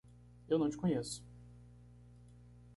Eu não te conheço!